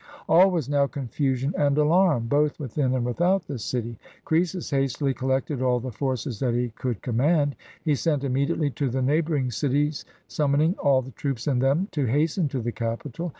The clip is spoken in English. All was now confusion and alarm, both within and without the city. Croesus hastily collected all the forces that he could command. He sent immediately to the neighboring cities, summoning all the troops in them to hasten to the capital.